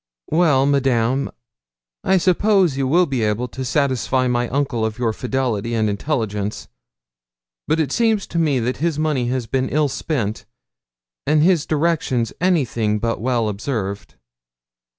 'Well, Madame, I suppose you will be able to satisfy my uncle of your fidelity and intelligence. But to me it seems that his money has been ill spent, and his directions anything but well observed.'